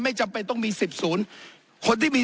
ไม่จำเป็นต้องมี๑๐ศูนย์